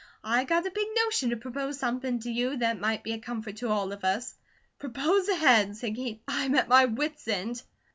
I got a big notion to propose somepin' to you that might be a comfort to all of us." "Propose away," said Kate. "I'm at my wit's end."